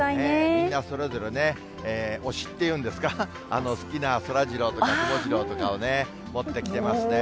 みんなそれぞれね、推しっていうんですか、好きなそらジローとかくもジローとかをね、持ってきてますね。